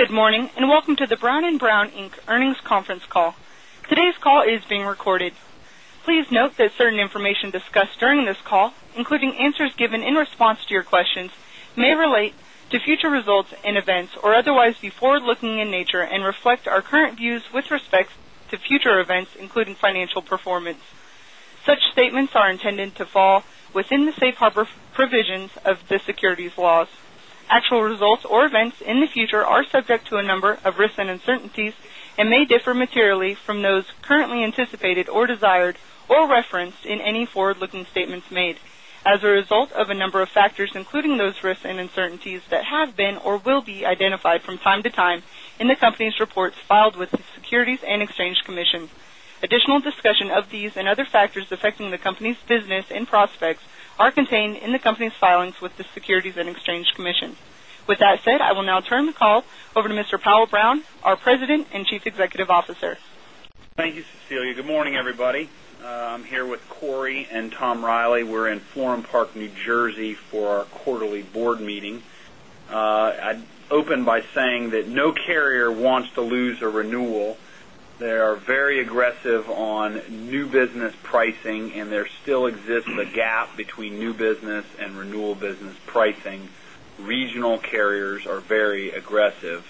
Good morning, and welcome to the Brown & Brown, Inc. earnings conference call. Today's call is being recorded. Please note that certain information discussed during this call, including answers given in response to your questions, may relate to future results and events or otherwise be forward-looking in nature and reflect our current views with respect to future events, including financial performance. Such statements are intended to fall within the safe harbor provisions of the securities laws. Actual results or events in the future are subject to a number of risks and uncertainties and may differ materially from those currently anticipated or desired or referenced in any forward-looking statements made as a result of a number of factors, including those risks and uncertainties that have been or will be identified from time to time in the company's reports filed with the Securities and Exchange Commission. Additional discussion of these and other factors affecting the company's business and prospects are contained in the company's filings with the Securities and Exchange Commission. With that said, I will now turn the call over to Mr. Powell Brown, our President and Chief Executive Officer. Thank you, Cecilia. Good morning, everybody. I'm here with Cory and Tom Riley. We're in Florham Park, New Jersey, for our quarterly board meeting. I'd open by saying that no carrier wants to lose a renewal. They are very aggressive on new business pricing. There still exists a gap between new business and renewal business pricing. Regional carriers are very aggressive.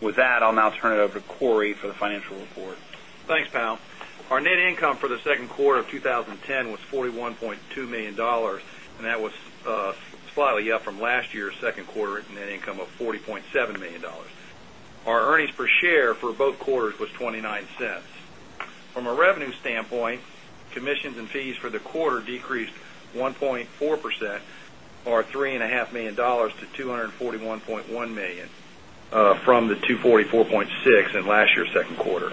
With that, I'll now turn it over to Cory for the financial report. Thanks, Powell. Our net income for the second quarter of 2010 was $41.2 million, and that was slightly up from last year's second quarter net income of $40.7 million. Our earnings per share for both quarters was $0.29. From a revenue standpoint, commissions and fees for the quarter decreased 1.4%, or $3.5 million to $241.1 million, from the $244.6 million in last year's second quarter.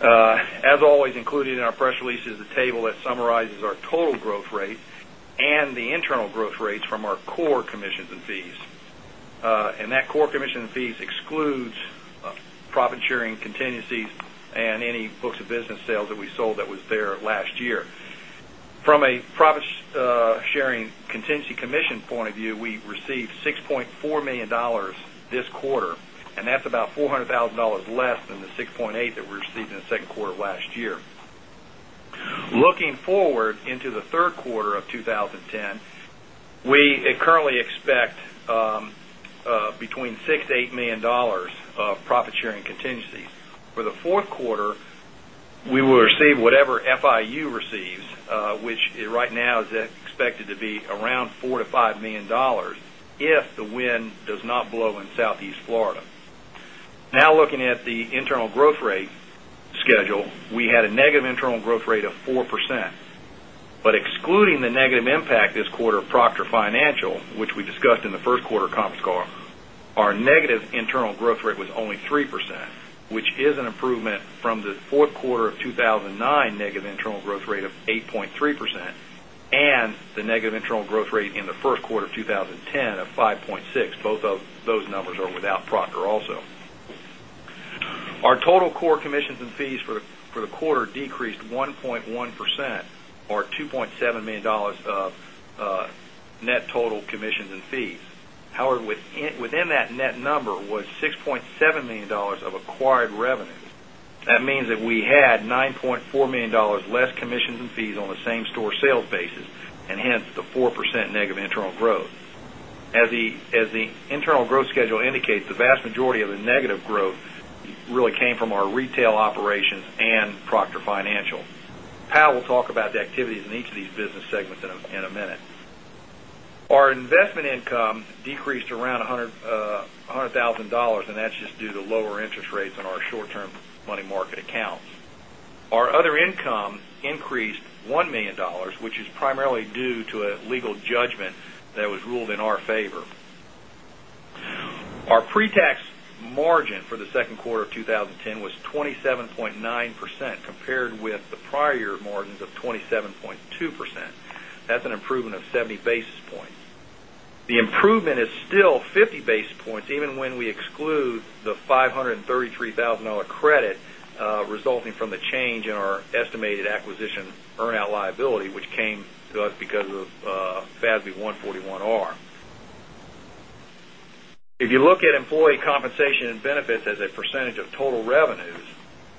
As always, included in our press release is a table that summarizes our total growth rate and the internal growth rates from our core commissions and fees. That core commission and fees excludes profit-sharing contingencies and any books of business sales that we sold that was there last year. From a profit-sharing contingency commission point of view, we received $6.4 million this quarter, and that's about $400,000 less than the $6.8 million that we received in the second quarter of last year. Looking forward into the third quarter of 2010, we currently expect between $6 million-$8 million of profit sharing contingencies. For the fourth quarter, we will receive whatever FIU receives, which right now is expected to be around $4 million-$5 million, if the wind does not blow in Southeast Florida. Looking at the internal growth rate schedule, we had a negative internal growth rate of 4%. Excluding the negative impact this quarter of Proctor Financial, which we discussed in the first quarter conference call, our negative internal growth rate was only 3%, which is an improvement from the fourth quarter of 2009 negative internal growth rate of 8.3%, and the negative internal growth rate in the first quarter of 2010 of 5.6%. Both of those numbers are without Proctor also. Our total core commissions and fees for the quarter decreased 1.1%, or $2.7 million of net total commissions and fees. Within that net number was $6.7 million of acquired revenues. That means that we had $9.4 million less commissions and fees on the same store sales basis, and hence the 4% negative internal growth. As the internal growth schedule indicates, the vast majority of the negative growth really came from our retail operations and Proctor Financial. Powell will talk about the activities in each of these business segments in a minute. Our investment income decreased around $100,000, and that's just due to lower interest rates on our short-term money market accounts. Our other income increased $1 million, which is primarily due to a legal judgment that was ruled in our favor. Our pre-tax margin for the second quarter of 2010 was 27.9%, compared with the prior year margins of 27.2%. That's an improvement of 70 basis points. The improvement is still 50 basis points, even when we exclude the $533,000 credit resulting from the change in our estimated acquisition earn-out liability, which came to us because of FASB 141R. If you look at employee compensation and benefits as a percentage of total revenues,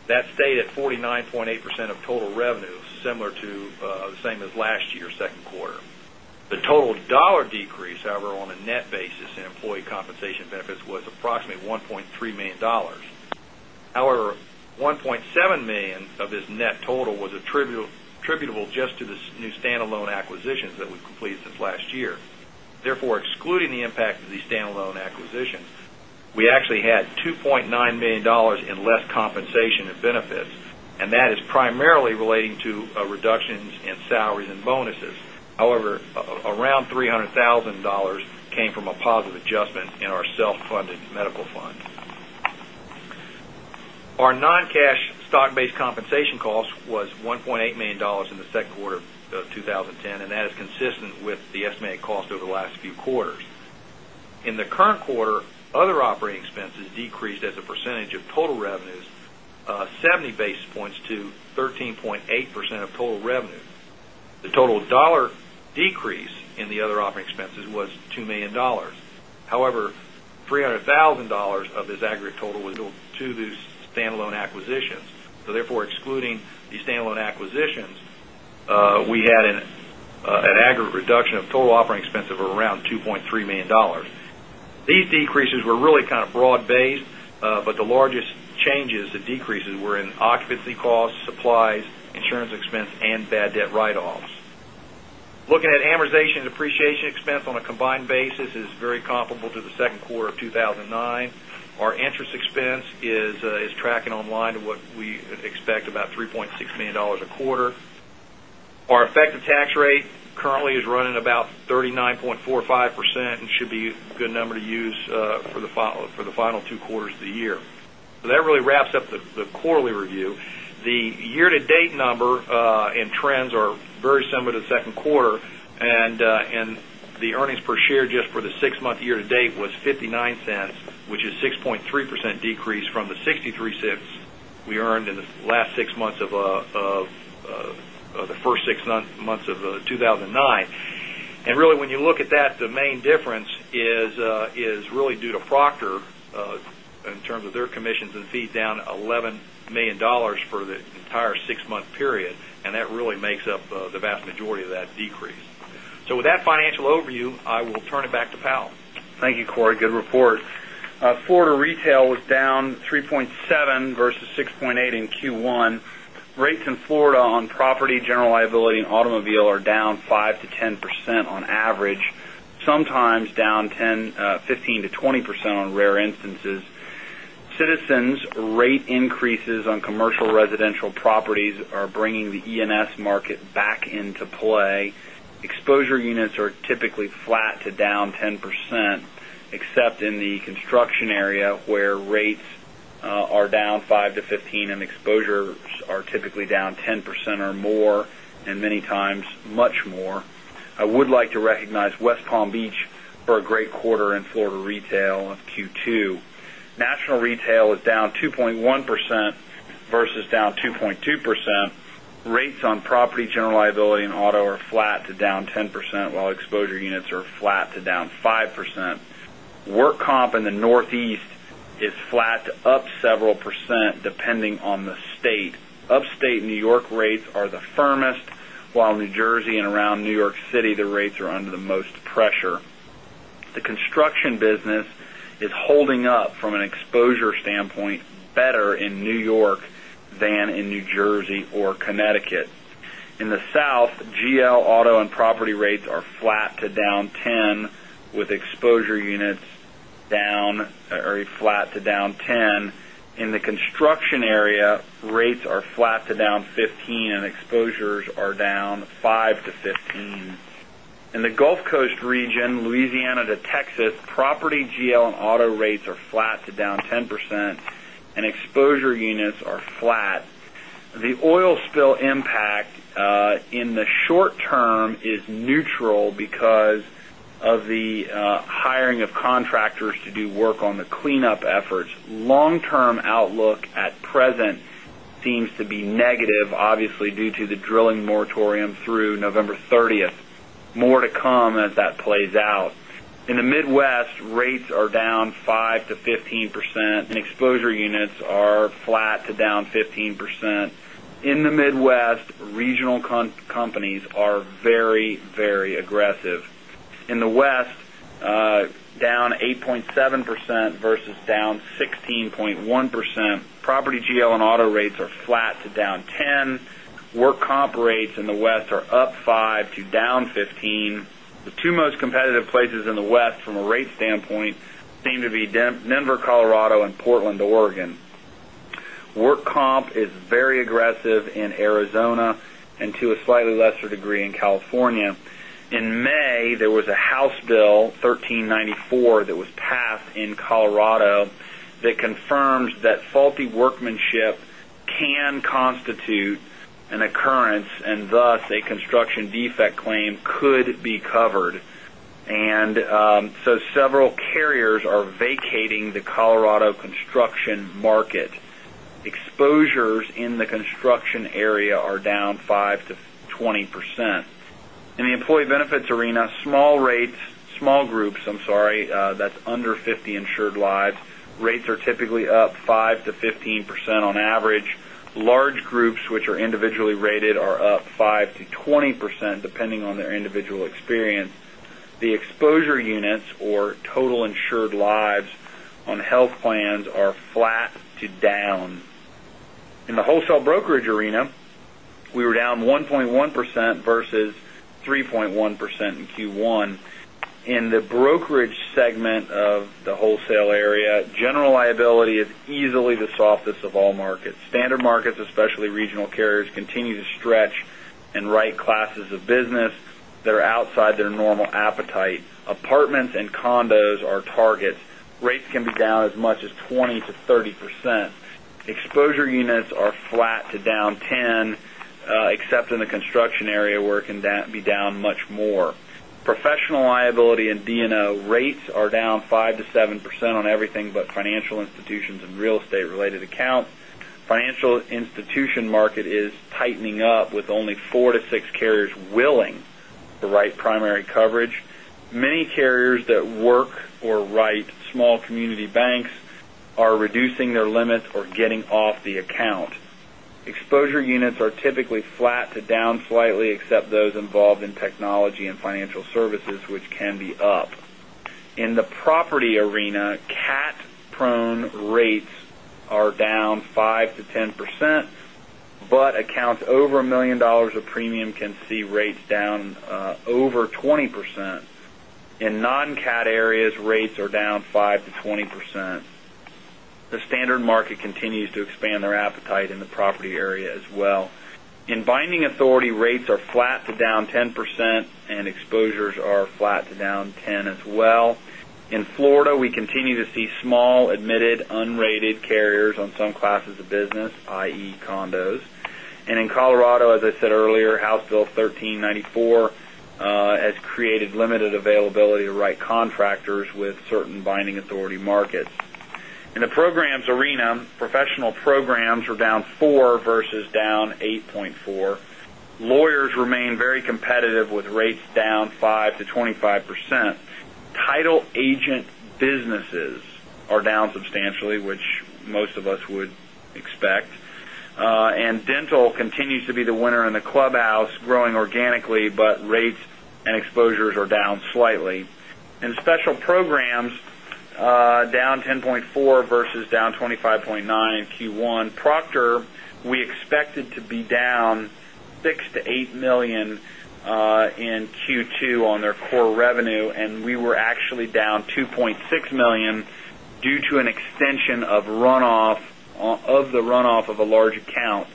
that stayed at 49.8% of total revenues, similar to the same as last year's second quarter. The total dollar decrease, on a net basis in employee compensation benefits was approximately $1.3 million. $1.7 million of this net total was attributable just to the new standalone acquisitions that we've completed since last year. Excluding the impact of the standalone acquisitions, we actually had $2.9 million in less compensation and benefits, and that is primarily relating to reductions in salaries and bonuses. Around $300,000 came from a positive adjustment in our self-funded medical fund. Our non-cash stock-based compensation cost was $1.8 million in the second quarter of 2010, and that is consistent with the estimated cost over the last few quarters. In the current quarter, other operating expenses decreased as a percentage of total revenues, 70 basis points to 13.8% of total revenue. The total dollar decrease in the other operating expenses was $2 million. $300,000 of this aggregate total was due to these standalone acquisitions. Excluding these standalone acquisitions, we had an aggregate reduction of total operating expense of around $2.3 million. These decreases were really kind of broad-based, the largest changes, the decreases, were in occupancy costs, supplies, insurance expense, and bad debt write-offs. Looking at amortization and depreciation expense on a combined basis is very comparable to the second quarter of 2009. Our interest expense is tracking online to what we expect, about $3.6 million a quarter. Our effective tax rate currently is running about 39.45% and should be a good number to use for the final two quarters of the year. That really wraps up the quarterly review. The year-to-date number and trends are very similar to the second quarter, and the earnings per share just for the six-month year to date was $0.59, which is 6.3% decrease from the $0.63 we earned in the first six months of 2009. Really, when you look at that, the main difference is really due to Proctor, in terms of their commissions and fees down $11 million for the entire six-month period. That really makes up the vast majority of that decrease. With that financial overview, I will turn it back to Powell. Thank you, Cory. Good report. Florida retail was down 3.7% versus 6.8% in Q1. Rates in Florida on property, general liability, and automobile are down 5%-10% on average, sometimes down 15%-20% on rare instances. Citizens rate increases on commercial residential properties are bringing the E&S market back into play. Exposure units are typically flat to down 10%, except in the construction area, where rates are down 5%-15% and exposures are typically down 10% or more, and many times much more. I would like to recognize West Palm Beach for a great quarter in Florida retail of Q2. National retail is down 2.1% versus down 2.2%. Rates on property, general liability, and auto are flat to down 10%, while exposure units are flat to down 5%. Work comp in the Northeast is flat to up several %, depending on the state. Upstate New York rates are the firmest, while New Jersey and around New York City, the rates are under the most pressure. In the South, GL auto and property rates are flat to down 10%, with exposure units flat to down 10%. In the construction area, rates are flat to down 15%, and exposures are down 5%-15%. In the Gulf Coast region, Louisiana to Texas, property GL and auto rates are flat to down 10%, and exposure units are flat. The oil spill impact in the short term is neutral because of the hiring of contractors to do work on the cleanup efforts. Long-term outlook at present seems to be negative, obviously due to the drilling moratorium through November 30th. More to come as that plays out. In the Midwest, rates are down 5%-15%, and exposure units are flat to down 15%. In the Midwest, regional companies are very aggressive. In the West, down 8.7% versus down 16.1%. Property GL and auto rates are flat to down 10%. Work comp rates in the West are up 5% to down 15%. The two most competitive places in the West from a rate standpoint seem to be Denver, Colorado, and Portland, Oregon. Work comp is very aggressive in Arizona and to a slightly lesser degree in California. in May, there was a House Bill 1394 that was passed in Colorado that confirms that faulty workmanship can constitute an occurrence, and thus a construction defect claim could be covered. Several carriers are vacating the Colorado construction market. Exposures in the construction area are down 5%-20%. In the employee benefits arena, small groups, that is under 50 insured lives, rates are typically up 5%-15% on average. Large groups, which are individually rated, are up 5%-20%, depending on their individual experience. The exposure units or total insured lives on health plans are flat to down. In the wholesale brokerage arena, we were down 1.1% versus 3.1% in Q1. In the brokerage segment of the wholesale area, general liability is easily the softest of all markets. Standard markets, especially regional carriers, continue to stretch and write classes of business that are outside their normal appetite. Apartments and condos are targets. Rates can be down as much as 20%-30%. Exposure units are flat to down 10%, except in the construction area where it can be down much more. Professional liability and D&O rates are down 5%-7% on everything but financial institutions and real estate related accounts. Financial institution market is tightening up with only four to six carriers willing to write primary coverage. Many carriers that work or write small community banks are reducing their limits or getting off the account. Exposure units are typically flat to down slightly, except those involved in technology and financial services, which can be up. In the property arena, cat-prone rates are down 5%-10%, but accounts over a million dollars of premium can see rates down over 20%. In non-cat areas, rates are down 5%-20%. The standard market continues to expand their appetite in the property area as well. In binding authority, rates are flat to down 10%, and exposures are flat to down 10% as well. In Florida, we continue to see small admitted unrated carriers on some classes of business, i.e., condos. In Colorado, as I said earlier, House Bill 1394 has created limited availability to write contractors with certain binding authority markets. In the programs arena, professional programs were down four versus down 8.4. Lawyers remain very competitive with rates down 5%-25%. Title agent businesses are down substantially, which most of us would expect. Dental continues to be the winner in the clubhouse, growing organically, but rates and exposures are down slightly. In special programs, down 10.4 versus down 25.9 in Q1. Proctor, we expected to be down $6 million-$8 million in Q2 on their core revenue, and we were actually down $2.6 million due to an extension of the runoff of a large account.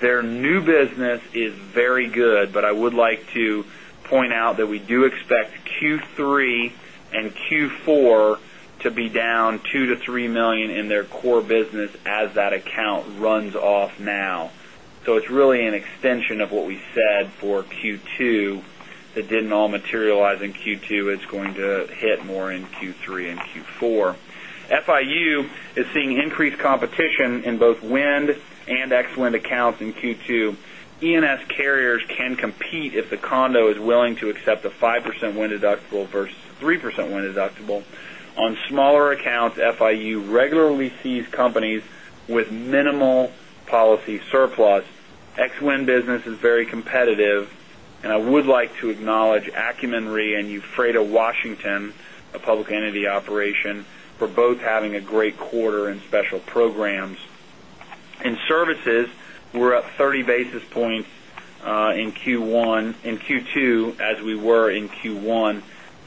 Their new business is very good. I would like to point out that we do expect Q3 and Q4 to be down $2 million-$3 million in their core business as that account runs off now. It's really an extension of what we said for Q2 that didn't all materialize in Q2. It's going to hit more in Q3 and Q4. FIU is seeing increased competition in both wind and E&S accounts in Q2. E&S carriers can compete if the condo is willing to accept a 5% wind deductible versus 3% wind deductible. On smaller accounts, FIU regularly sees companies with minimal policy surplus. Ex-wind business is very competitive. I would like to acknowledge Acumen Re in Ephrata, Washington, a public entity operation, for both having a great quarter in special programs. In services, we're up 30 basis points in Q2 as we were in Q1.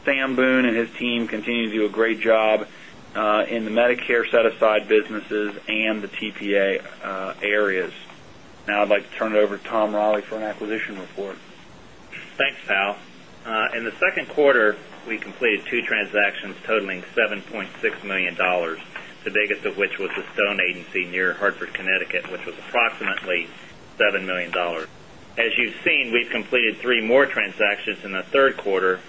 Sam Boone and his team continue to do a great job in the Medicare set-aside businesses and the TPA areas. Now I'd like to turn it over to Tom Riley for an acquisition report. Thanks, Powell. In the second quarter, we completed two transactions totaling $7.6 million, the biggest of which was the Stone Agency near Hartford, Connecticut, which was approximately $7 million. As you've seen, we've completed three more transactions in the third quarter,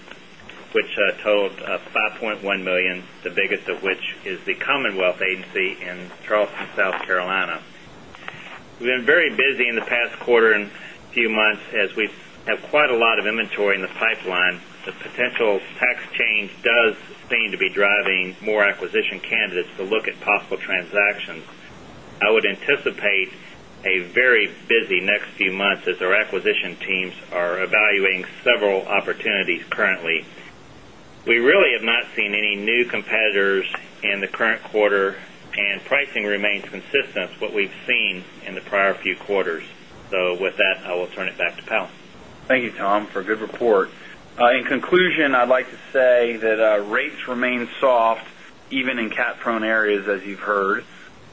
which totaled $5.1 million, the biggest of which is the Commonwealth Agency in Charleston, South Carolina. We've been very busy in the past quarter and few months as we have quite a lot of inventory in the pipeline. The potential tax change does seem to be driving more acquisition candidates to look at possible transactions. I would anticipate a very busy next few months as our acquisition teams are evaluating several opportunities currently. We really have not seen any new competitors in the current quarter. Pricing remains consistent to what we've seen in the prior few quarters. With that, I will turn it back to Powell. Thank you, Tom, for a good report. In conclusion, I'd like to say that rates remain soft, even in cat-prone areas, as you've heard.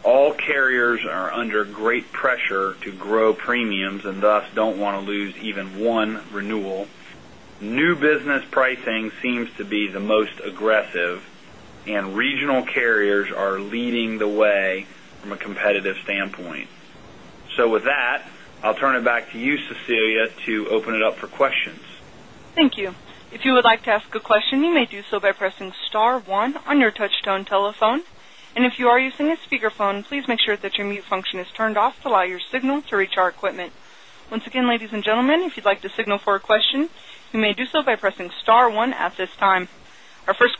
All carriers are under great pressure to grow premiums and thus don't want to lose even one renewal. New business pricing seems to be the most aggressive. Regional carriers are leading the way from a competitive standpoint. With that, I'll turn it back to you, Cecilia, to open it up for questions. Thank you. If you would like to ask a question, you may do so by pressing *1 on your touchtone telephone. If you are using a speakerphone, please make sure that your mute function is turned off to allow your signal to reach our equipment. Once again, ladies and gentlemen, if you'd like to signal for a question, you may do so by pressing *1 at this time. Our first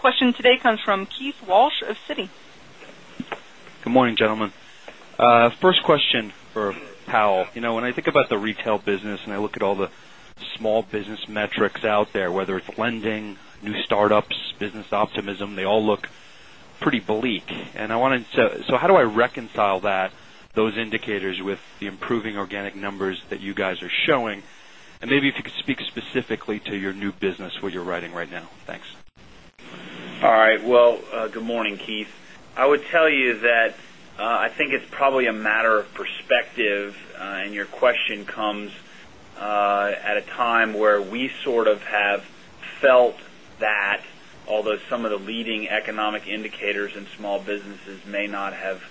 question today comes from Keith Walsh of Citi. Good morning, gentlemen. First question for Powell. When I think about the retail business, and I look at all the small business metrics out there, whether it's lending, new startups, business optimism, they all look pretty bleak. How do I reconcile those indicators with the improving organic numbers that you guys are showing? Maybe if you could speak specifically to your new business, what you're writing right now. Thanks. All right. Well, good morning, Keith. I would tell you that I think it's probably a matter of perspective, and your question comes at a time where we sort of have felt that although some of the leading economic indicators in small businesses may not have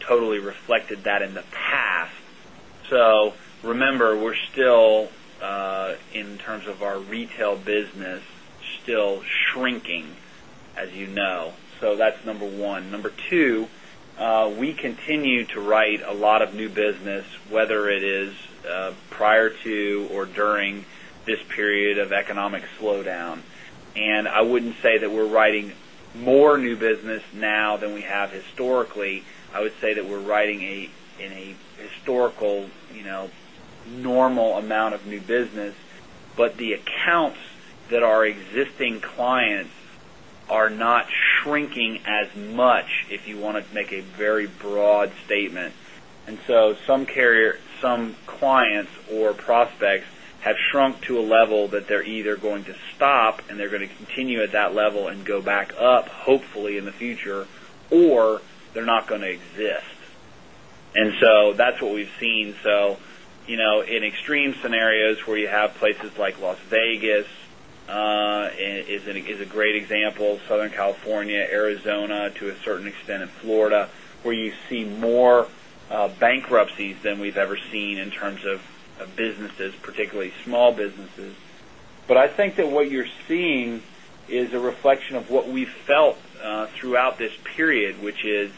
totally reflected that in the past. Remember, we're still In terms of our retail business, still shrinking, as you know. That's number one. Number two, we continue to write a lot of new business, whether it is prior to or during this period of economic slowdown. I wouldn't say that we're writing more new business now than we have historically. I would say that we're writing in a historical, normal amount of new business. The accounts that our existing clients are not shrinking as much, if you want to make a very broad statement. Some clients or prospects have shrunk to a level that they're either going to stop, and they're going to continue at that level and go back up, hopefully, in the future, or they're not going to exist. That's what we've seen. In extreme scenarios where you have places like Las Vegas, is a great example, Southern California, Arizona, to a certain extent in Florida, where you see more bankruptcies than we've ever seen in terms of businesses, particularly small businesses. I think that what you're seeing is a reflection of what we've felt throughout this period, which is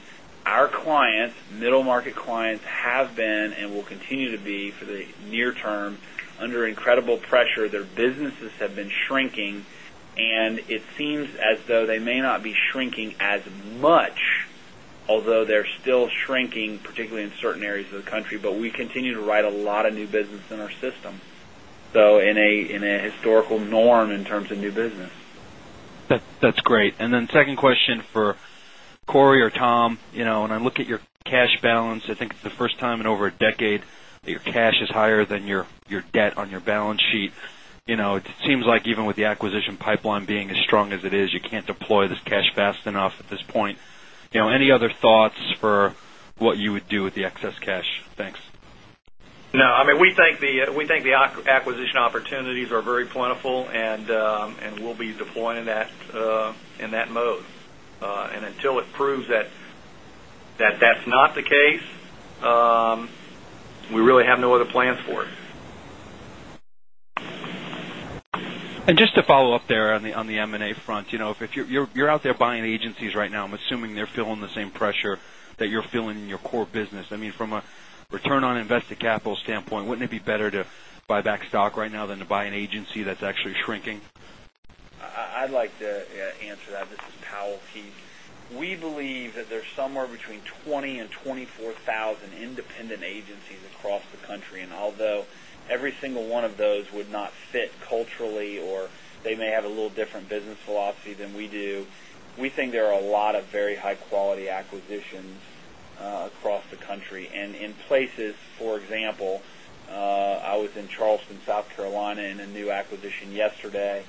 our clients, middle market clients, have been and will continue to be, for the near term, under incredible pressure. Their businesses have been shrinking, it seems as though they may not be shrinking as much, although they're still shrinking, particularly in certain areas of the country. We continue to write a lot of new business in our system. In a historical norm in terms of new business. That's great. Second question for Cory or Tom. When I look at your cash balance, I think it's the first time in over a decade that your cash is higher than your debt on your balance sheet. It seems like even with the acquisition pipeline being as strong as it is, you can't deploy this cash fast enough at this point. Any other thoughts for what you would do with the excess cash? Thanks. No, we think the acquisition opportunities are very plentiful, we'll be deploying in that mode. Until it proves that that's not the case, we really have no other plans for it. Just to follow up there on the M&A front. If you're out there buying agencies right now, I'm assuming they're feeling the same pressure that you're feeling in your core business. From a return on invested capital standpoint, wouldn't it be better to buy back stock right now than to buy an agency that's actually shrinking? I'd like to answer that. This is Powell Brown. We believe that there's somewhere between 20,000 and 24,000 independent agencies across the country. Although every single one of those would not fit culturally or they may have a little different business philosophy than we do, we think there are a lot of very high-quality acquisitions across the country. In places, for example, I was in Charleston, South Carolina, in a new acquisition yesterday,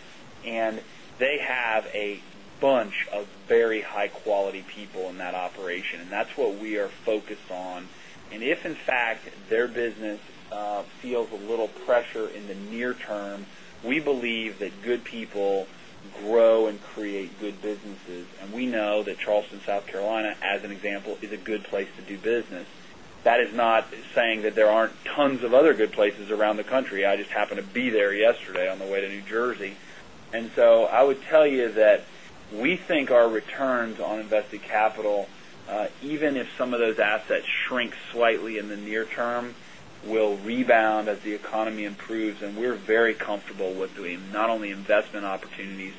and they have a bunch of very high-quality people in that operation. That's what we are focused on. If in fact, their business feels a little pressure in the near term, we believe that good people grow and create good businesses. We know that Charleston, South Carolina, as an example, is a good place to do business. That is not saying that there aren't tons of other good places around the country. I just happened to be there yesterday on the way to New Jersey. I would tell you that we think our returns on invested capital, even if some of those assets shrink slightly in the near term, will rebound as the economy improves. We're very comfortable with doing not only investment opportunities,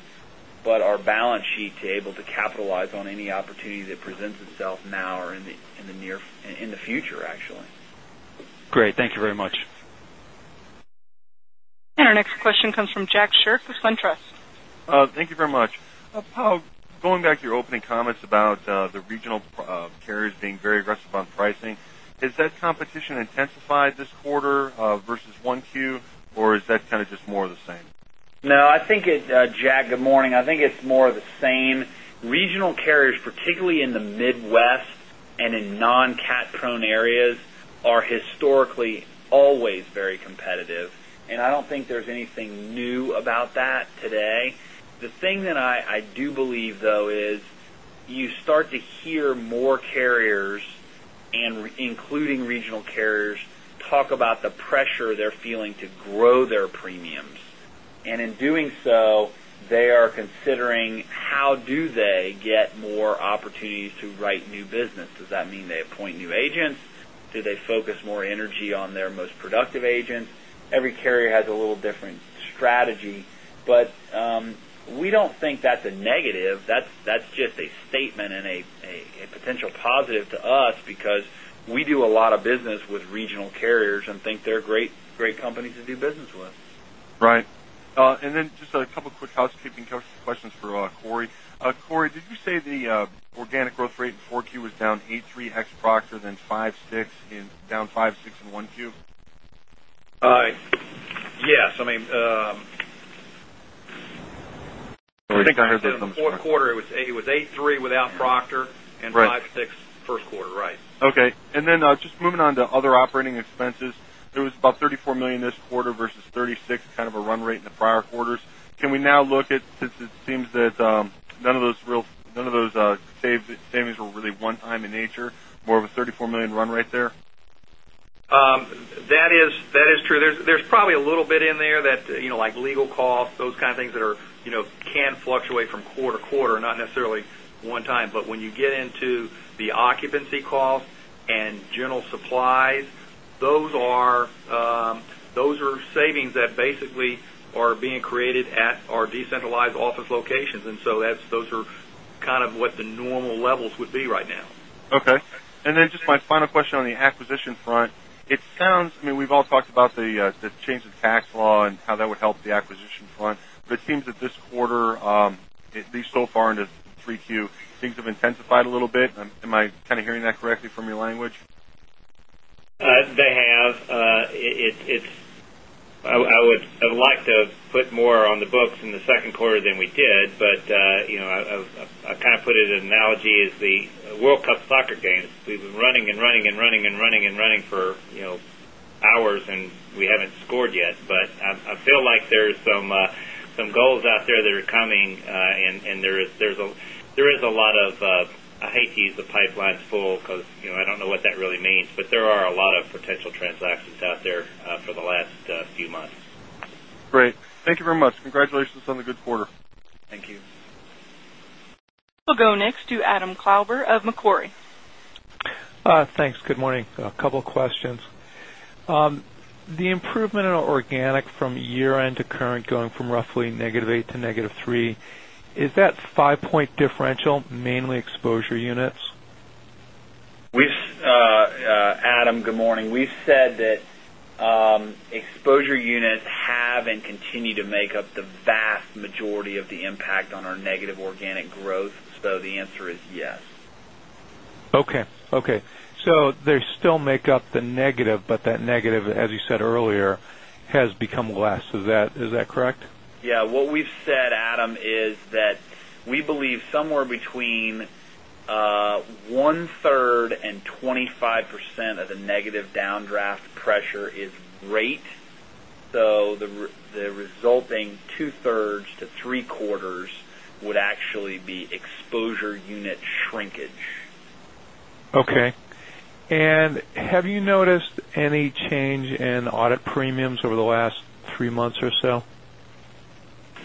but our balance sheet to able to capitalize on any opportunity that presents itself now or in the future, actually. Great. Thank you very much. Our next question comes from Jack Shirk with SunTrust. Thank you very much. Powell, going back to your opening comments about the regional carriers being very aggressive on pricing, has that competition intensified this quarter versus 1Q, or is that kind of just more of the same? No, Jack, good morning. I think it's more of the same. Regional carriers, particularly in the Midwest and in non-cat prone areas, are historically always very competitive. I don't think there's anything new about that today. The thing that I do believe, though, is you start to hear more carriers, including regional carriers, talk about the pressure they're feeling to grow their premiums. In doing so, they are considering how do they get more opportunities to write new business. Does that mean they appoint new agents? Do they focus more energy on their most productive agents? Every carrier has a little different strategy. We don't think that's a negative. That's just a statement and a potential positive to us because we do a lot of business with regional carriers and think they're great companies to do business with. Right. Then just a couple of quick housekeeping questions for Cory. Cory, did you say the organic growth rate in 4Q was down 83% ex Proctor, then down 56% in 1Q? Yes. Sorry. I said in the fourth quarter, it was 83% without Proctor and 56% first quarter. Right. Okay. Then just moving on to other operating expenses. There was about $34 million this quarter versus $36 million, kind of a run rate in the prior quarters. Can we now look at, since it seems that none of those savings were really one-time in nature, more of a $34 million run rate there? That is true. There's probably a little bit in there, like legal costs, those kind of things that can fluctuate from quarter to quarter, not necessarily one time. When you get into the occupancy costs and general supplies, those are savings that basically are being created at our decentralized office locations. Those are kind of what the normal levels would be right now. Okay. Then just my final question on the acquisition front. We've all talked about the change in tax law and how that would help the acquisition front, it seems that this quarter, at least so far into 3Q, things have intensified a little bit. Am I kind of hearing that correctly from your language? They have. I would like to have put more on the books in the second quarter than we did, I kind of put it as an analogy as the World Cup soccer game. We've been running and running and running and running and running for hours, we haven't scored yet. I feel like there's some goals out there that are coming, there is a lot of, I hate to use the pipeline's full because I don't know what that really means, there are a lot of potential transactions out there for the last few months. Great. Thank you very much. Congratulations on the good quarter. Thank you. We'll go next to Adam Klauber of Macquarie. Thanks. Good morning. A couple questions. The improvement in our organic from year-end to current going from roughly negative eight to negative three, is that five-point differential mainly exposure units? Adam, good morning. We've said that exposure units have and continue to make up the vast majority of the impact on our negative organic growth. The answer is yes. Okay. They still make up the negative, but that negative, as you said earlier, has become less. Is that correct? Yeah. What we've said, Adam, is that we believe somewhere between one-third and 25% of the negative downdraft pressure is rate. The resulting two-thirds to three-quarters would actually be exposure unit shrinkage. Okay. Have you noticed any change in audit premiums over the last three months or so?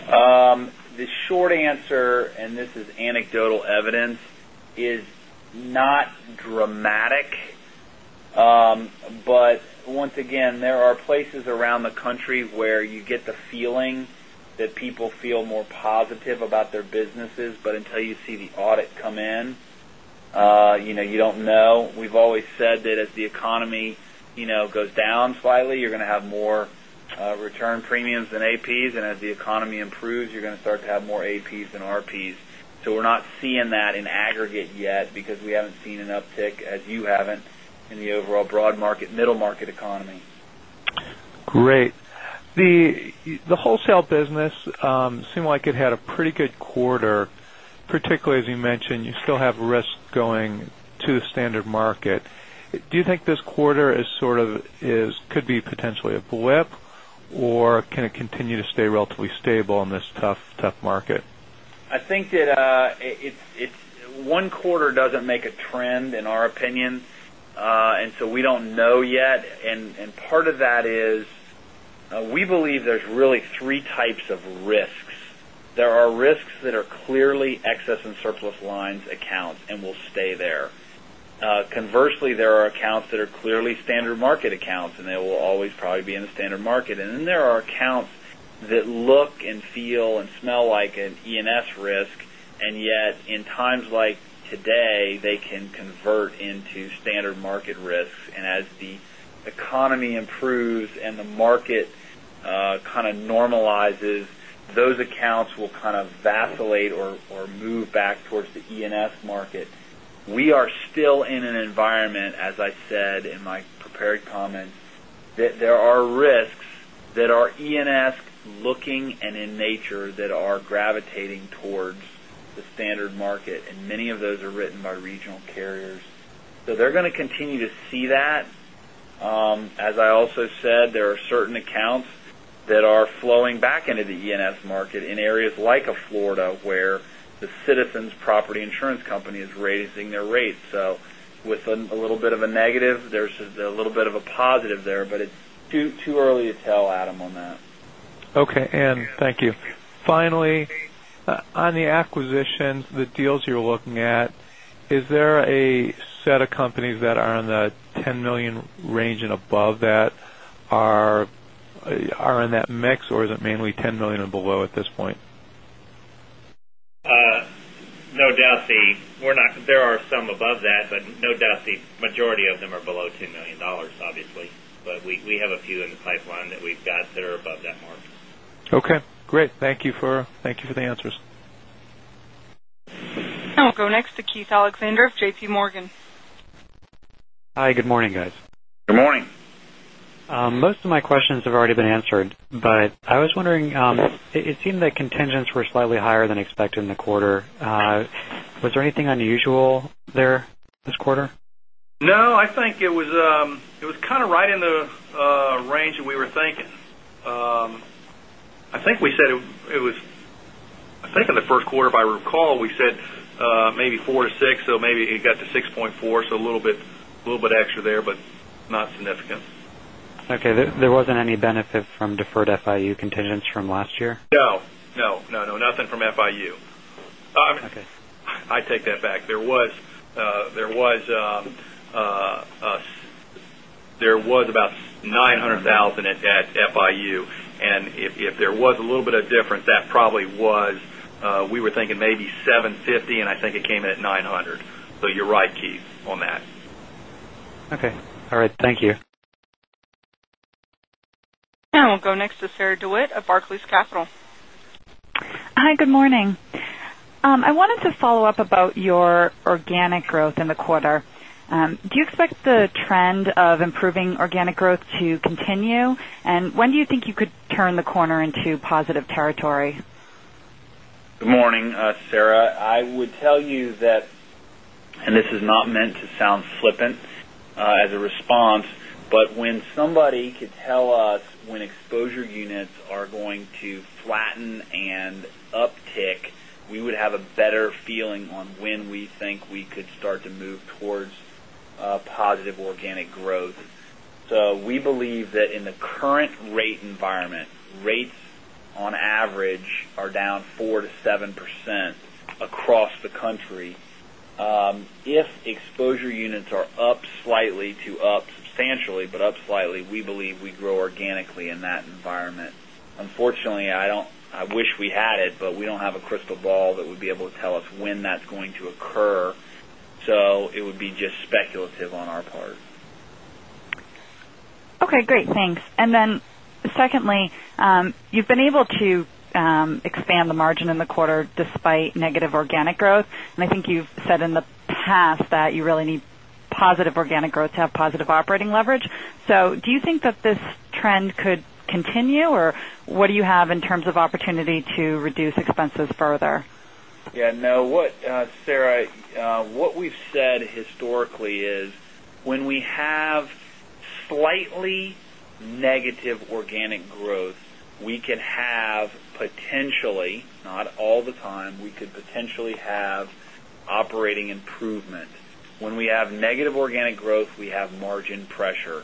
The short answer, this is anecdotal evidence, is not dramatic. Once again, there are places around the country where you get the feeling that people feel more positive about their businesses. Until you see the audit come in, you don't know. We've always said that as the economy goes down slightly, you're going to have more return premiums than APs. As the economy improves, you're going to start to have more APs than RPs. We're not seeing that in aggregate yet because we haven't seen an uptick, as you haven't, in the overall broad market, middle market economy. Great. The wholesale business seemed like it had a pretty good quarter, particularly as you mentioned, you still have risk going to the standard market. Do you think this quarter could be potentially a blip, or can it continue to stay relatively stable in this tough market? I think that one quarter doesn't make a trend, in our opinion. We don't know yet. Part of that is we believe there's really 3 types of risks. There are risks that are clearly excess and surplus lines accounts and will stay there. Conversely, there are accounts that are clearly standard market accounts, they will always probably be in the standard market. Then there are accounts that look and feel and smell like an E&S risk, yet in times like today, they can convert into standard market risks. As the economy improves and the market kind of normalizes, those accounts will kind of vacillate or move back towards the E&S market. We are still in an environment, as I said in my prepared comments, that there are risks that are E&S looking and in nature that are gravitating towards the standard market, many of those are written by regional carriers. They're going to continue to see that. As I also said, there are certain accounts that are flowing back into the E&S market in areas like a Florida, where the Citizens Property Insurance Corporation is raising their rates. With a little bit of a negative, there's a little bit of a positive there, but it's too early to tell, Adam, on that. Thank you. Finally, on the acquisitions, the deals you're looking at, is there a set of companies that are in the $10 million range and above that are in that mix, or is it mainly $10 million and below at this point? There are some above that, no doubt, the majority of them are below $10 million, obviously. We have a few in the pipeline that we've got that are above that mark. Okay, great. Thank you for the answers. I'll go next to Keith Alexander of JP Morgan. Hi, good morning, guys. Good morning. Most of my questions have already been answered. I was wondering, it seemed that contingents were slightly higher than expected in the quarter. Was there anything unusual there this quarter? No, I think it was kind of right in the range that we were thinking. I think we said, I think in the first quarter, if I recall, we said maybe four to six. Maybe it got to 6.4. A little bit extra there, not significant. Okay. There wasn't any benefit from deferred FWUA contingents from last year? No. Nothing from FWUA. Okay. I take that back. There was about $900,000 at FWUA, if there was a little bit of difference, that probably was we were thinking maybe $750, I think it came in at $900. You're right, Keith, on that. Okay. All right. Thank you. We'll go next to Sarah DeWitt of Barclays Capital. Hi, good morning. I wanted to follow up about your organic growth in the quarter. Do you expect the trend of improving organic growth to continue? When do you think you could turn the corner into positive territory? Good morning, Sarah. I would tell you that, and this is not meant to sound flippant as a response, but when somebody could tell us when exposure units are going to flatten and uptick, we would have a better feeling on when we think we could start to move towards positive organic growth. We believe that in the current rate environment, rates on average are down 4%-7% across the country. If exposure units are up slightly to up substantially, but up slightly, we believe we grow organically in that environment. Unfortunately, I wish we had it, but we don't have a crystal ball that would be able to tell us when that's going to occur. It would be just speculative on our part. Great. Thanks. Secondly, you've been able to expand the margin in the quarter despite negative organic growth. I think you've said in the past that you really need positive organic growth to have positive operating leverage. Do you think that this trend could continue, or what do you have in terms of opportunity to reduce expenses further? Sarah, what we've said historically is when we have slightly negative organic growth, we can have potentially, not all the time, we could potentially have operating improvement. When we have negative organic growth, we have margin pressure.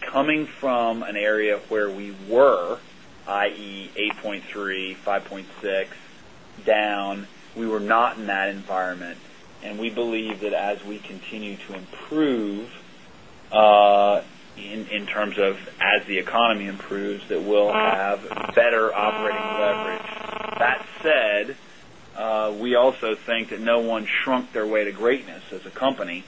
Coming from an area where we were, i.e., 8.3%, 5.6%, down, we were not in that environment. We believe that as we continue to improve, in terms of as the economy improves, that we'll have better operating leverage. That said, we also think that no one shrunk their way to greatness as a company.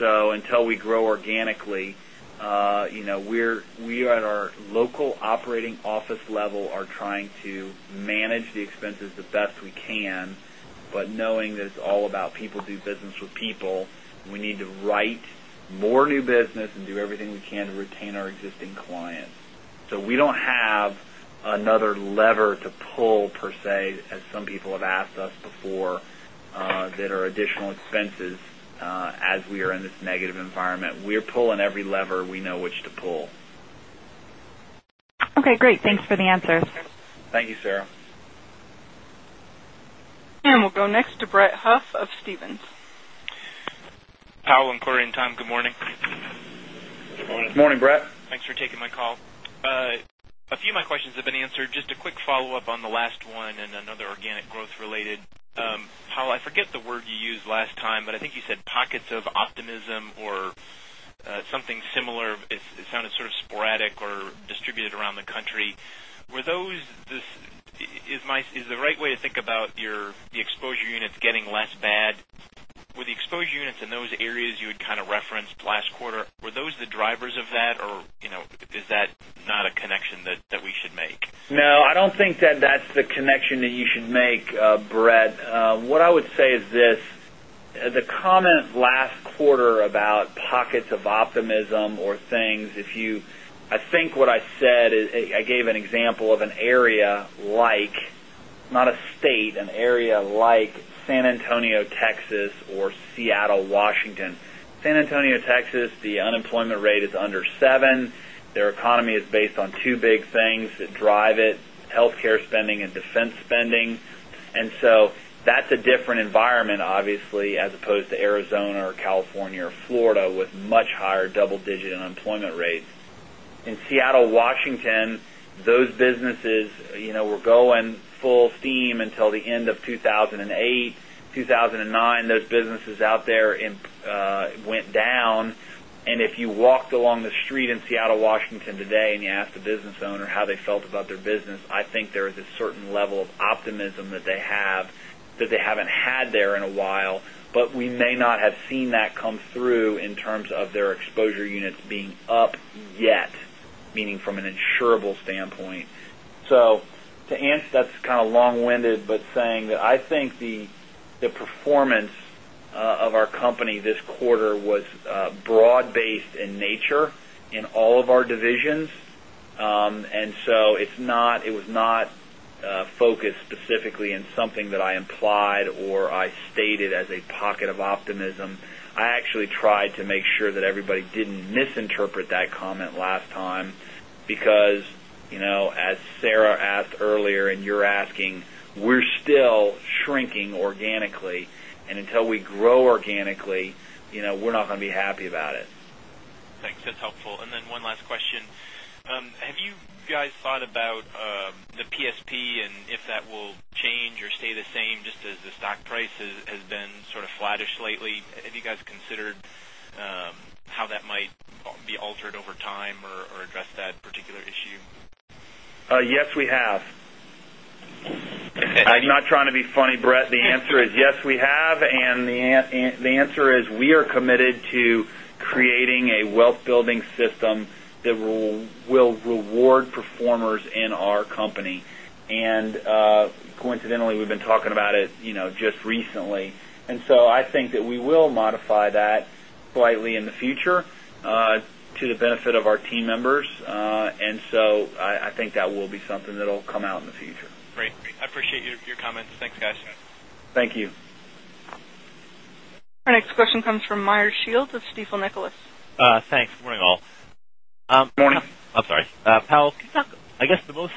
Until we grow organically, we at our local operating office level are trying to manage the expenses the best we can, but knowing that it's all about people do business with people, and we need to write more new business and do everything we can to retain our existing clients. We don't have another lever to pull per se, as some people have asked us before, that are additional expenses as we are in this negative environment. We're pulling every lever we know which to pull. Great. Thanks for the answers. Thank you, Sarah. We'll go next to Brett Huff of Stephens. Powell and Cory and Tom, good morning. Good morning. Morning, Brett. Thanks for taking my call. A few of my questions have been answered. Just a quick follow-up on the last one and another organic growth related. Powell, I forget the word you used last time, but I think you said pockets of optimism or something similar. It sounded sort of sporadic or distributed around the country. Is the right way to think about the exposure units getting less bad? Were the exposure units in those areas you had kind of referenced last quarter, were those the drivers of that? Or is that not a connection that we should make? No, I don't think that that's the connection that you should make, Brett. What I would say is this, the comment last quarter about pockets of optimism or things. I think what I said is I gave an example of an area like, not a state, an area like San Antonio, Texas, or Seattle, Washington. San Antonio, Texas, the unemployment rate is under seven. Their economy is based on two big things that drive it, healthcare spending and defense spending. That's a different environment, obviously, as opposed to Arizona or California or Florida, with much higher double-digit unemployment rates. In Seattle, Washington, those businesses were going full steam until the end of 2008. 2009, those businesses out there went down, and if you walked along the street in Seattle, Washington today, and you asked a business owner how they felt about their business, I think there is a certain level of optimism that they have that they haven't had there in a while. We may not have seen that come through in terms of their exposure units being up yet, meaning from an insurable standpoint. To answer, that's kind of long-winded, but saying that I think the performance of our company this quarter was broad-based in nature in all of our divisions. It was not focused specifically on something that I implied or I stated as a pocket of optimism. I actually tried to make sure that everybody didn't misinterpret that comment last time. As Sarah asked earlier, and you're asking, we're still shrinking organically. Until we grow organically, we're not going to be happy about it. Thanks. That's helpful. Then one last question. Have you guys thought about the PSP and if that will change or stay the same, just as the stock price has been sort of flattish lately? Have you guys considered how that might be altered over time or address that particular issue? Yes, we have. I'm not trying to be funny, Brett. The answer is yes, we have. The answer is we are committed to creating a wealth-building system that will reward performers in our company. Coincidentally, we've been talking about it just recently. So I think that we will modify that slightly in the future to the benefit of our team members. So I think that will be something that'll come out in the future. Great. I appreciate your comments. Thanks, guys. Thank you. Our next question comes from Meyer Shields of Stifel Nicolaus. Thanks. Good morning, all. Morning. I'm sorry. Powell, can you talk, I guess, the most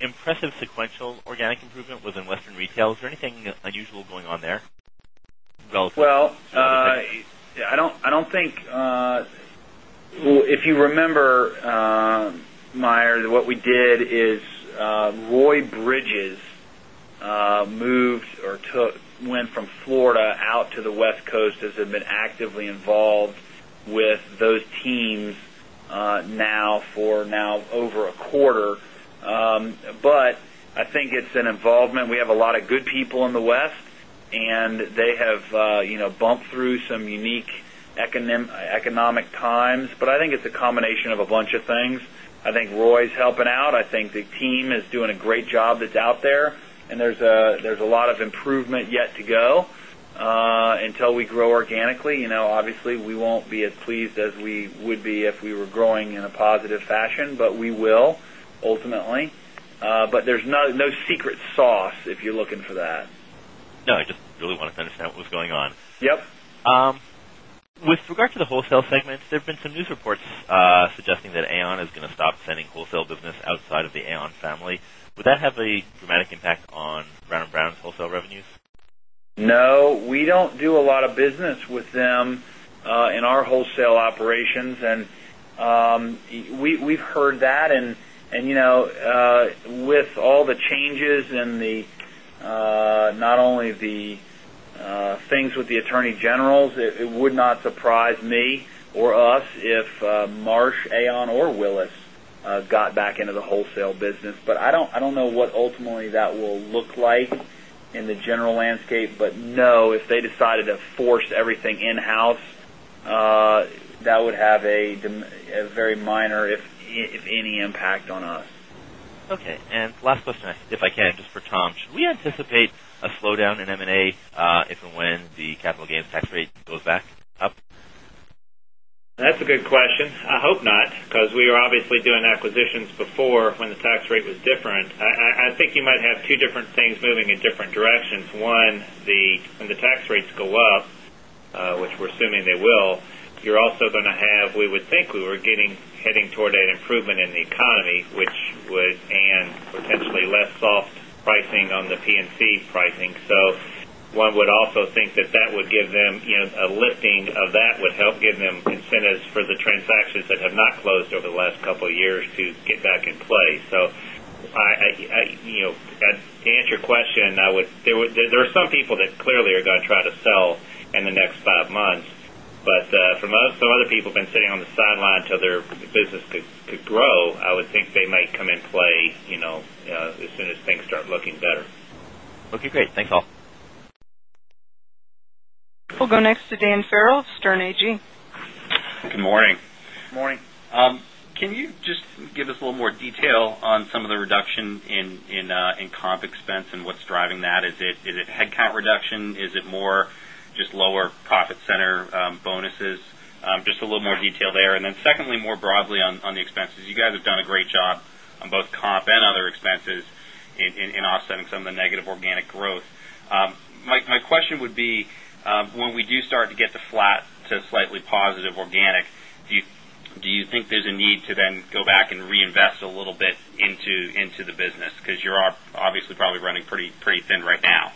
impressive sequential organic improvement was in Western Retail. Is there anything unusual going on there relative to? Well, if you remember, Meyer, what we did is Roy Bridges went from Florida out to the West Coast, as had been actively involved with those teams now for over a quarter. I think it's an involvement. We have a lot of good people in the West, and they have bumped through some unique economic times. I think it's a combination of a bunch of things. I think Roy's helping out. I think the team is doing a great job that's out there, and there's a lot of improvement yet to go. Until we grow organically, obviously, we won't be as pleased as we would be if we were growing in a positive fashion. We will, ultimately. There's no secret sauce if you're looking for that. No, I just really wanted to understand what was going on. Yep. With regard to the wholesale segment, there have been some news reports suggesting that Aon is going to stop sending wholesale business outside of the Aon family. Would that have a dramatic impact on Brown & Brown's wholesale revenues? No. We don't do a lot of business with them in our wholesale operations. We've heard that, and with all the changes and not only the things with the attorney generals, it would not surprise me or us if Marsh, Aon, or Willis got back into the wholesale business. I don't know what ultimately that will look like in the general landscape. No, if they decided to force everything in-house, that would have a very minor, if any, impact on us. Okay. Last question, if I can, just for Tom. Should we anticipate a slowdown in M&A if and when the capital gains tax rate goes back up? That's a good question. I hope not, because we were obviously doing acquisitions before when the tax rate was different. I think you might have two different things moving in different directions. One, when the tax rates go up, which we're assuming they will, you're also going to have, we would think we were heading toward an improvement in the economy, and potentially less soft pricing on the P&C pricing. One would also think that a lifting of that would help give them incentives for the transactions that have not closed over the last couple of years to get back in play. To answer your question, there are some people that clearly are going to try to sell in the next five months, but some other people have been sitting on the sidelines until their business could grow. I would think they might come in play as soon as things start looking better. Okay, great. Thanks, all. We'll go next to Dan Farrell, Sterne Agee. Good morning. Morning. Can you just give us a little more detail on some of the reduction in comp expense and what's driving that? Is it headcount reduction? Is it more just lower profit center bonuses? Just a little more detail there. Secondly, more broadly on the expenses. You guys have done a great job on both comp and other expenses in offsetting some of the negative organic growth. My question would be, when we do start to get to flat to slightly positive organic, do you think there's a need to then go back and reinvest a little bit into the business? Because you're obviously probably running pretty thin right now.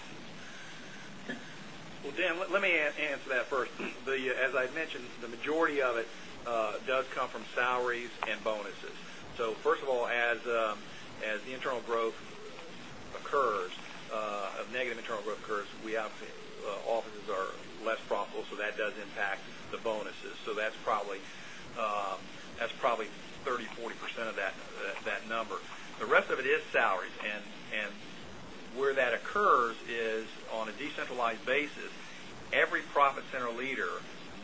Well, Dan, let me answer that first. As I mentioned, the majority of it does come from salaries and bonuses. First of all, as negative internal growth occurs, offices are less profitable, that does impact the bonuses. That's probably 30%-40% of that number. The rest of it is salaries. Where that occurs is on a decentralized basis. Every profit center leader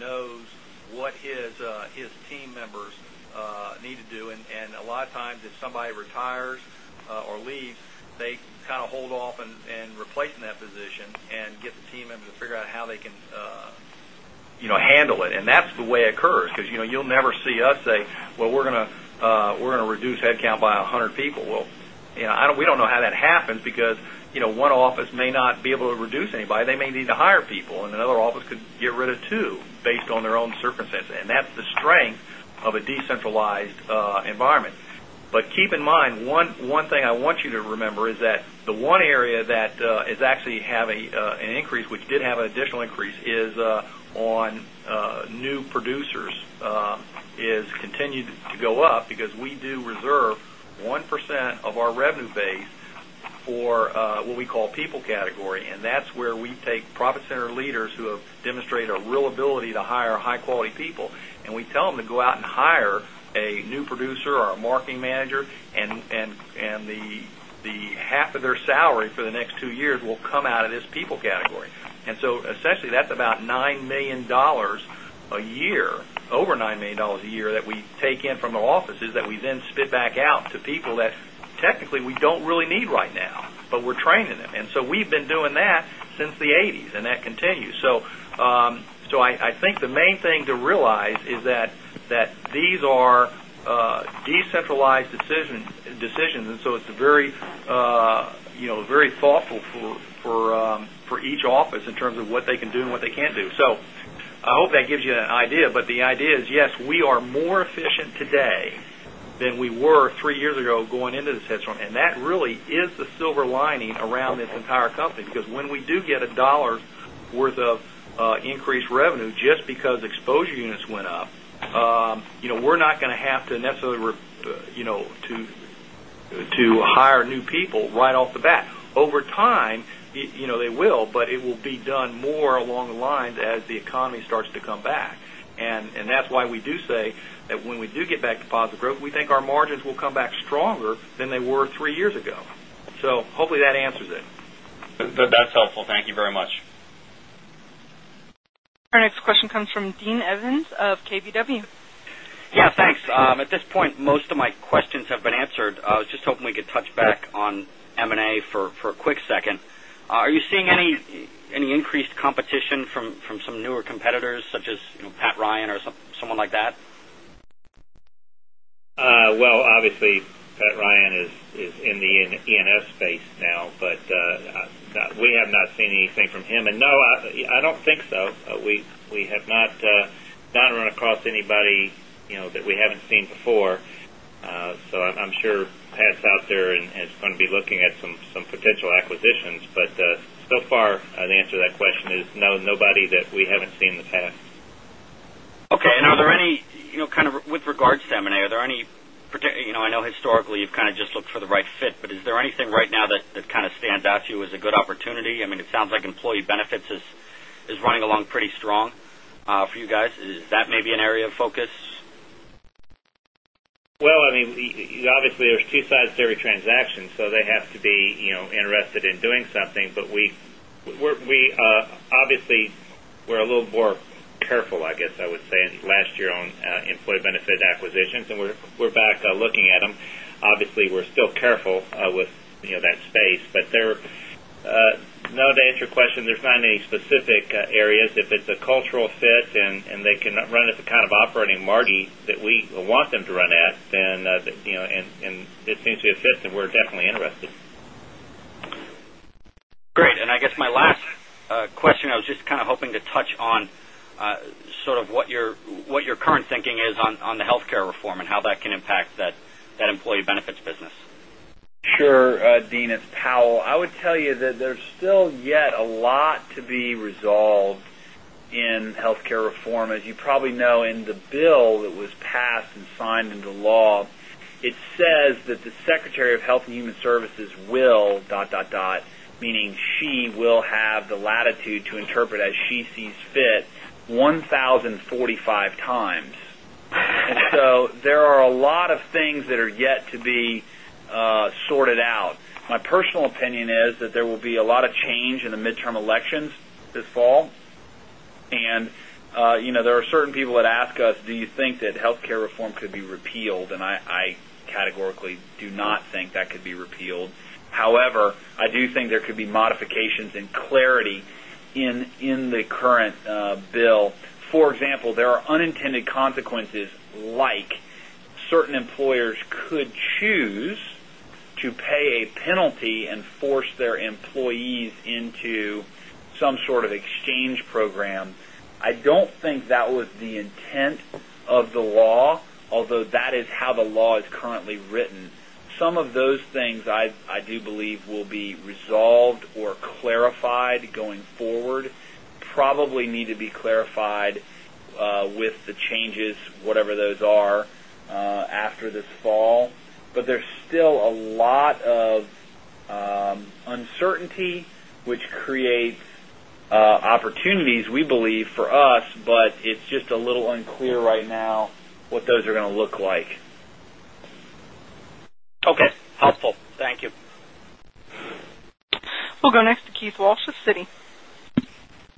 knows what his team members need to do. A lot of times, if somebody retires or leaves, they kind of hold off in replacing that position and get the team members to figure how they can handle it. That's the way it occurs, because you'll never see us say, "Well, we're going to reduce headcount by 100 people." Well, we don't know how that happens because one office may not be able to reduce anybody. They may need to hire people, and another office could get rid of two based on their own circumstances. That's the strength of a decentralized environment. Keep in mind, one thing I want you to remember is that the one area that is actually having an increase, which did have an additional increase, is on new producers. It has continued to go up because we do reserve 1% of our revenue base for what we call people category. That's where we take profit center leaders who have demonstrated a real ability to hire high-quality people, and we tell them to go out and hire a new producer or a marketing manager, and the half of their salary for the next two years will come out of this people category. Essentially, that's about over $9 million a year that we take in from the offices that we then spit back out to people that technically we don't really need right now, but we're training them. We've been doing that since the '80s, and that continues. I think the main thing to realize is that these are decentralized decisions, and so it's very thoughtful for each office in terms of what they can do and what they can't do. I hope that gives you an idea. The idea is, yes, we are more efficient today than we were three years ago going into this headstrong. That really is the silver lining around this entire company. Because when we do get a dollar's worth of increased revenue, just because exposure units went up, we're not going to have to necessarily hire new people right off the bat. Over time, they will, but it will be done more along the lines as the economy starts to come back. That's why we do say that when we do get back to positive growth, we think our margins will come back stronger than they were three years ago. Hopefully that answers it. That's helpful. Thank you very much. Our next question comes from Dean Evans of KBW. Yeah, thanks. At this point, most of my questions have been answered. I was just hoping we could touch back on M&A for a quick second. Are you seeing any increased competition from some newer competitors, such as Pat Ryan or someone like that? Well, obviously, Pat Ryan is in the E&S space now, but we have not seen anything from him. No, I don't think so. We have not run across anybody that we haven't seen before. I'm sure Pat's out there and is going to be looking at some potential acquisitions. So far, the answer to that question is no, nobody that we haven't seen in the past. Okay. With regards to M&A, I know historically you've kind of just looked for the right fit, is there anything right now that kind of stands out to you as a good opportunity? It sounds like employee benefits is running along pretty strong for you guys. Is that maybe an area of focus? Well, obviously, there's two sides to every transaction, they have to be interested in doing something. Obviously, we're a little more careful, I guess I would say, than last year on employee benefits acquisitions, we're back looking at them. Obviously, we're still careful with that space. No, to answer your question, there's not any specific areas. If it's a cultural fit and they can run at the kind of operating margin that we want them to run at, it seems to be a fit, we're definitely interested. Great. I guess my last question, I was just kind of hoping to touch on sort of what your current thinking is on the healthcare reform and how that can impact that employee benefits business. Sure, Dean. It's Powell. I would tell you that there's still yet a lot to be resolved in healthcare reform. As you probably know, in the bill that was passed and signed into law, it says that the Secretary of Health and Human Services will dot, dot, meaning she will have the latitude to interpret as she sees fit, 1,045 times. There are a lot of things that are yet to be sorted out. My personal opinion is that there will be a lot of change in the midterm elections this fall. There are certain people that ask us, "Do you think that healthcare reform could be repealed?" I categorically do not think that could be repealed. However, I do think there could be modifications and clarity in the current bill. For example, there are unintended consequences, like certain employers could choose to pay a penalty and force their employees into some sort of exchange program. I don't think that was the intent of the law, although that is how the law is currently written. Some of those things, I do believe, will be resolved or clarified going forward. Probably need to be clarified with the changes, whatever those are, after this fall. There's still a lot of uncertainty, which creates opportunities, we believe, for us, but it's just a little unclear right now what those are going to look like. Okay. Helpful. Thank you. We'll go next to Keith Walsh with Citi.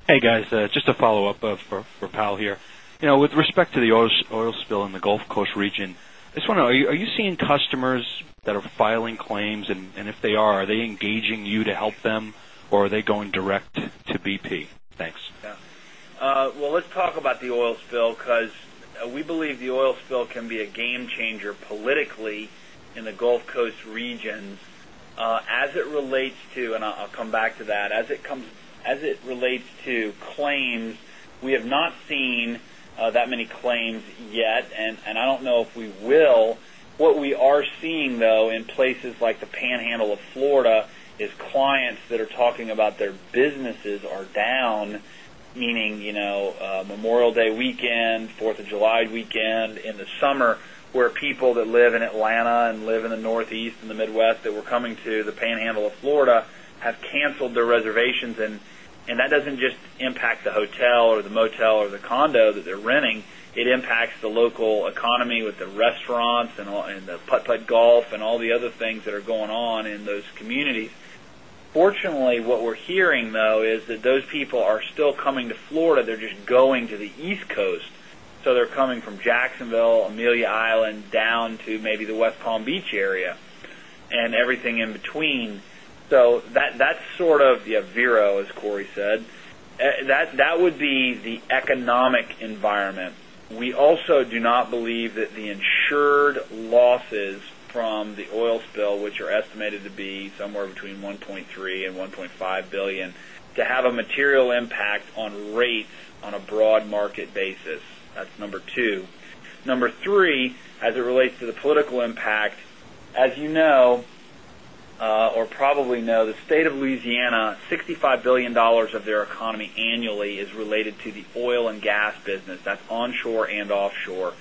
Hey, guys. Just a follow-up for Powell here. With respect to the oil spill in the Gulf Coast region, I just wonder, are you seeing customers that are filing claims? If they are they engaging you to help them, or are they going direct to BP? Thanks. Yeah. Well, let's talk about the oil spill, because we believe the oil spill can be a game changer politically in the Gulf Coast regions. As it relates to, I'll come back to that. As it relates to claims, we have not seen that many claims yet, and I don't know if we will. What we are seeing, though, in places like the Panhandle of Florida, is clients that are talking about their businesses are down, meaning, Memorial Day weekend, Fourth of July weekend in the summer, where people that live in Atlanta and live in the Northeast and the Midwest that were coming to the Panhandle of Florida have canceled their reservations. That doesn't just impact the hotel or the motel or the condo that they're renting. It impacts the local economy with the restaurants and the putt-putt golf and all the other things that are going on in those communities. Fortunately, what we're hearing, though, is that those people are still coming to Florida. They're just going to the East Coast. They're coming from Jacksonville, Amelia Island, down to maybe the West Palm Beach area and everything in between. That's sort of the zero, as Cory said. That would be the economic environment. We also do not believe that the insured losses from the oil spill, which are estimated to be somewhere between $1.3 billion-$1.5 billion, to have a material impact on rates on a broad market basis. That's number 2. Number 3, as it relates to the political impact. As you know, or probably know, the state of Louisiana, $65 billion of their economy annually is related to the oil and gas business. That's onshore and offshore.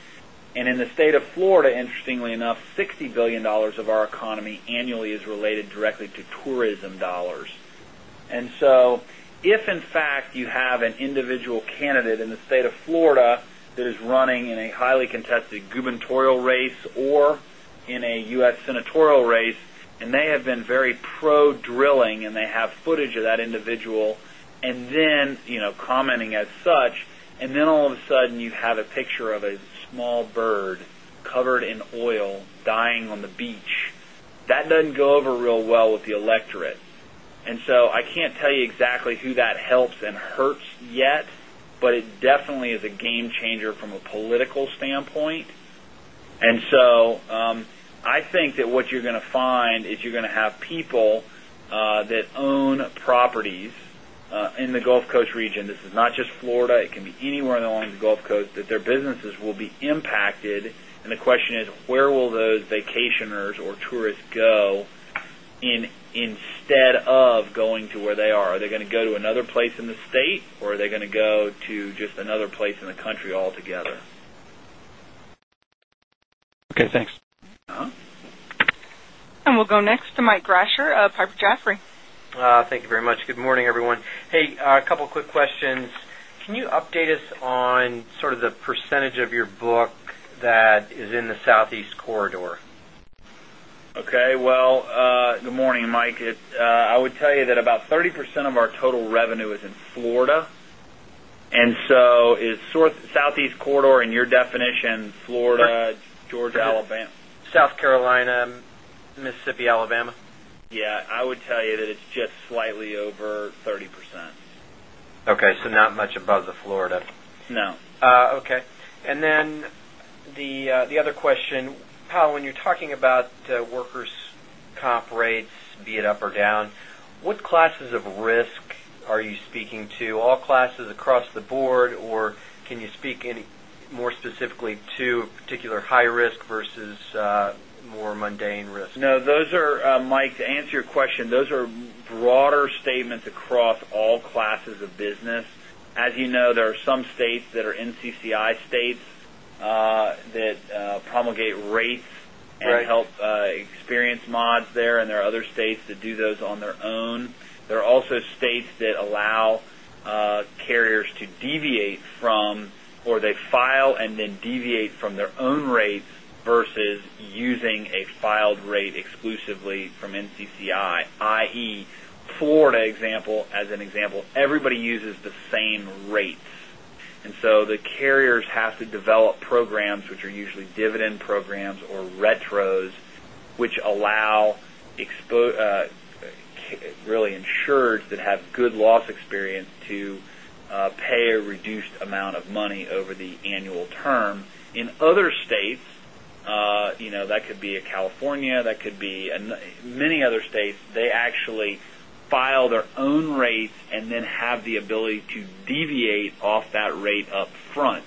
In the state of Florida, interestingly enough, $60 billion of our economy annually is related directly to tourism dollars. If, in fact, you have an individual candidate in the state of Florida that is running in a highly contested gubernatorial race or in a U.S. senatorial race, they have been very pro-drilling, they have footage of that individual, commenting as such, all of a sudden you have a picture of a small bird covered in oil dying on the beach. That doesn't go over real well with the electorate. I can't tell you exactly who that helps and hurts yet, but it definitely is a game changer from a political standpoint. I think that what you're going to find is you're going to have people that own properties in the Gulf Coast region. This is not just Florida. It can be anywhere along the Gulf Coast that their businesses will be impacted. The question is: where will those vacationers or tourists go instead of going to where they are? Are they going to go to another place in the state, or are they going to go to just another place in the country altogether? Okay, thanks. We'll go next to Mike Grasher of Piper Jaffray. Thank you very much. Good morning, everyone. Hey, a couple quick questions. Can you update us on sort of the percentage of your book that is in the Southeast corridor? Okay. Well, good morning, Mike. I would tell you that about 30% of our total revenue is in Florida, and so is Southeast corridor in your definition, Florida, Georgia, Alabama? South Carolina, Mississippi, Alabama. Yeah. I would tell you that it's just slightly over 30%. Okay. Not much above the Florida. No. Okay. The other question, Powell, when you're talking about workers' comp rates, be it up or down, what classes of risk are you speaking to? All classes across the board, or can you speak any more specifically to particular high risk versus more mundane risk? No, those are, Mike, to answer your question, those are broader statements across all classes of business. As you know, there are some states that are NCCI states, that promulgate rates that help, Experience Mods there. There are other states that do those on their own. There are also states that allow carriers to deviate from, or they file and then deviate from their own rates versus using a filed rate exclusively from NCCI, i.e., Florida example, as an example, everybody uses the same rates. The carriers have to develop programs which are usually dividend programs or retros, which allow, really insureds that have good loss experience to pay a reduced amount of money over the annual term. In other states, that could be a California, that could be many other states. They actually file their own rates and then have the ability to deviate off that rate up front.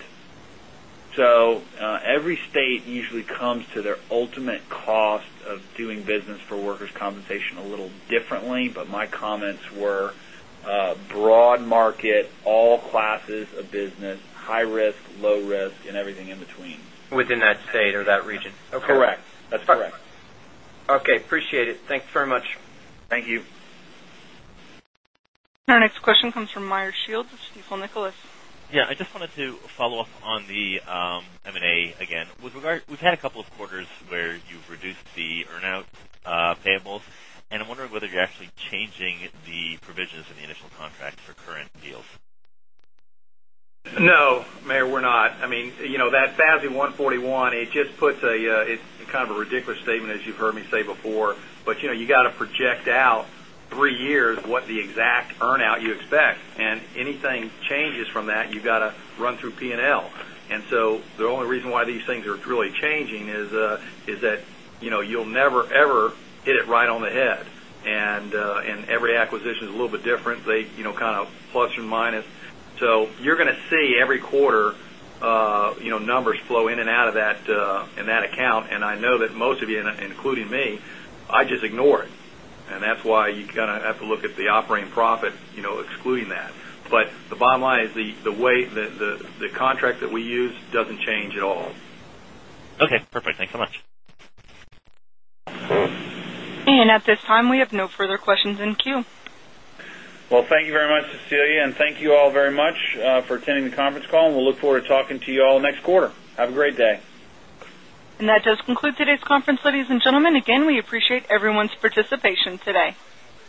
Every state usually comes to their ultimate cost of doing business for workers' compensation a little differently. My comments were broad market, all classes of business, high risk, low risk, and everything in between. Within that state or that region. Okay. Correct. That's correct. Okay, appreciate it. Thanks very much. Thank you. Our next question comes from Meyer Shields, Stifel Nicolaus. Yeah. I just wanted to follow up on the M&A again. We've had a couple of quarters where you've reduced the earn-out payables, and I'm wondering whether you're actually changing the provisions in the initial contract for current deals. No, Meyer, we're not. I mean, that FASB 141, it's kind of a ridiculous statement, as you've heard me say before. You got to project out three years what the exact earn-out you expect. Anything changes from that, you've got to run through P&L. The only reason why these things are really changing is that you'll never, ever hit it right on the head. Every acquisition is a little bit different. They kind of plus or minus. You're going to see every quarter numbers flow in and out of that in that account. I know that most of you, including me, I just ignore it. That's why you kind of have to look at the operating profit excluding that. The bottom line is the way the contract that we use doesn't change at all. Okay, perfect. Thanks so much. At this time, we have no further questions in queue. Well, thank you very much, Cecilia, and thank you all very much for attending the conference call, and we'll look forward to talking to you all next quarter. Have a great day. That does conclude today's conference, ladies and gentlemen. Again, we appreciate everyone's participation today.